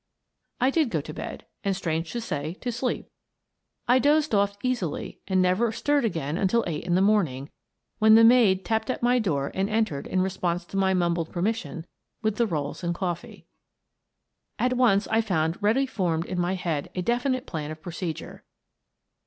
I did go to bed, and strange to say, to sleep. I dozed off easily and never stirred until eight in the morning, when the maid tapped at my door and en tered, in response to my mumbled permission, with the rolls and coffee. At once I found ready formed in my head a defi nite plan of procedure.